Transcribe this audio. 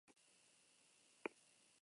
Denbora kontua baino ez zen.